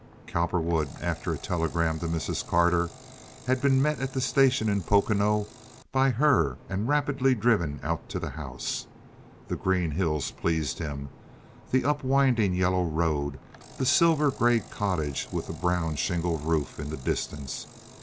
Cowperwood, after a telegram to Mrs. Carter, had been met at the station in Pocono by her and rapidly driven out to the house. The green hills pleased him, the up winding, yellow road, the silver gray cottage with the brown shingle roof in the distance.